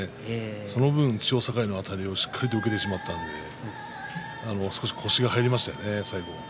その分、千代栄のあたりをしっかり受けてしまったので腰が入りましたよね、最後は。